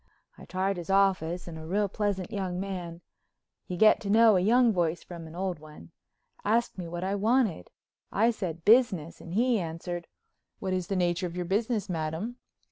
I tried his office and a real pleasant young man (you get to know a young voice from an old one) asked me what I wanted. I said business, and he answered: "What is the nature of your business, Madam?"